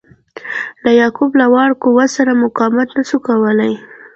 د یعقوب له واړه قوت سره مقاومت نه سو کولای.